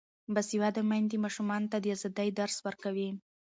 باسواده میندې ماشومانو ته د ازادۍ درس ورکوي.